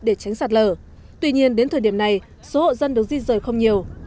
để tránh sạt lở tuy nhiên đến thời điểm này số hộ dân được di rời không nhiều